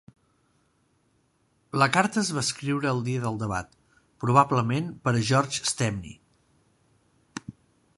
La carta es va escriure el dia del debat, probablement per a George Stepney.